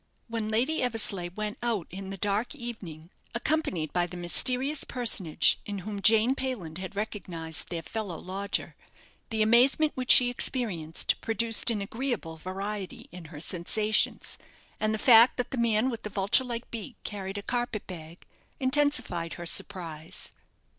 When Lady Eversleigh went out in the dark evening, accompanied by the mysterious personage in whom Jane Payland had recognized their fellow lodger, the amazement which she experienced produced an agreeable variety in her sensations, and the fact that the man with the vulture like beak carried a carpet bag intensified her surprise.